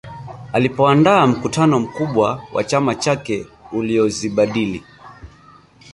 Alipoandaa mkutano mkubwa wa chama chake uliozibadili